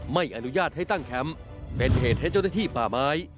ไม่อนุญาตให้ตั้งแคมป์เป็นเหตุให้เจ้าหน้าที่ป่าไม้